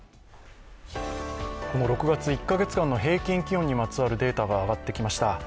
この６月１カ月間の平均気温にまつわるデータが上がってきました。